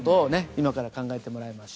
今から考えてもらいましょう。